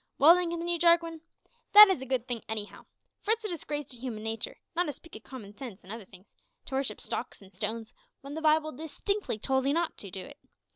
"Well, then," continued Jarwin, "that is a good thing, anyhow; for it's a disgrace to human natur', not to speak o' common sense an' other things, to worship stocks an' stones, w'en the Bible distinctly tolls 'ee not to do it.